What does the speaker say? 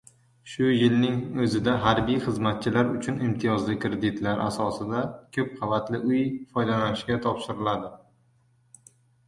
Shu yilning oʻzida harbiy xizmatchilar uchun imtiyozli kreditlar asosida koʻp qavatli uy foydalanishga topshiriladi.